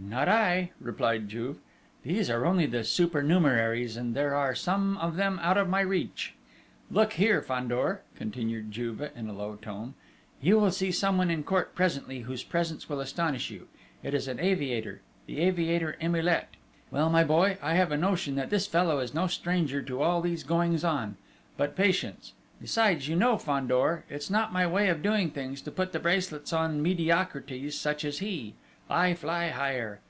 "Not I!" replied Juve. "These are only the supernumeraries, and there are some of them out of my reach!... Look here, Fandor," continued Juve in a low tone. "You will see someone in court presently whose presence will astonish you it is an aviator the aviator Emilet.... Well, my boy, I have a notion that this fellow is no stranger to all these goings on!... But patience!... besides, you know, Fandor, it's not my way of doing things to put the bracelets on mediocrities such as he: I fly higher!...